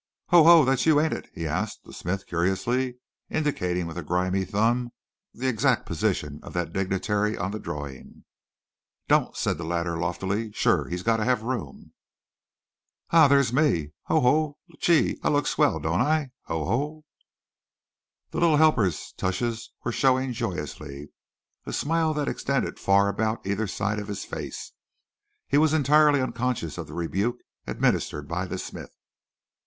"Ho, ho! that's you, ain't it," he asked the smith curiously, indicating with a grimy thumb the exact position of that dignitary on the drawing. "Don't," said the latter, loftily "sure! He's gotta have room." "An' there's me. Ho! Ho! Gee, I look swell, don't I? Ho! ho!" The little helper's tushes were showing joyously a smile that extended far about either side of his face. He was entirely unconscious of the rebuke administered by the smith.